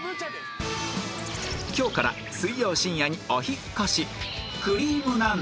今日から水曜深夜にお引っ越し